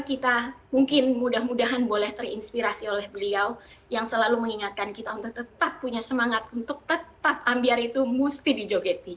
kita mungkin mudah mudahan boleh terinspirasi oleh beliau yang selalu mengingatkan kita untuk tetap punya semangat untuk tetap ambiar itu mesti dijogeti